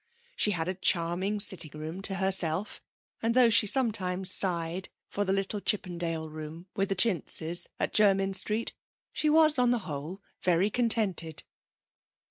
She had a charming sitting room to herself, and though she sometimes sighed for the little Chippendale room with the chintzes, at Jermyn Street, she was on the whole very contented.